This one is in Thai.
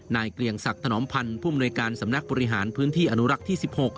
เกลียงศักดิ์ถนอมพันธ์ผู้มนวยการสำนักบริหารพื้นที่อนุรักษ์ที่๑๖